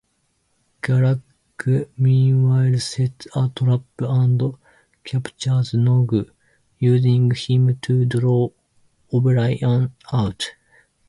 Garak, meanwhile, sets a trap and captures Nog, using him to draw O'Brien out.